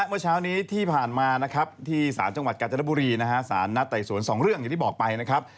เมื่อเช้านี้ที่ผ่านมานะครับที่สารจังหวัดกาญจนบุรีนะฮะสารนัดไต่สวน๒เรื่องอย่างที่บอกไปนะครับ